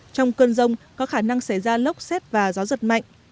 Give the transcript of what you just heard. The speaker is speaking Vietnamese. trong cơn rông có khả năng xảy ra lốc xét và gió giật mạnh